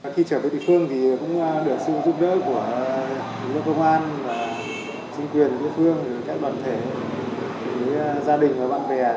khi trở về địa phương thì cũng được sự giúp đỡ của quốc an chính quyền địa phương các đoàn thể gia đình và bạn bè